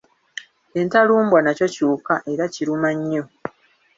Entalumbwa nakyo kiwuka era kiruma nnyo.